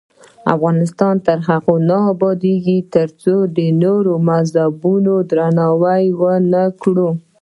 افغانستان تر هغو نه ابادیږي، ترڅو د نورو مذهبونو درناوی ونکړو.